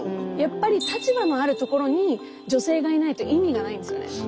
やっぱり立場のあるところに女性がいないと意味がないんですよね。